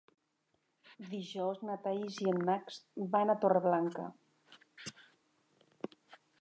Dijous na Thaís i en Max van a Torreblanca.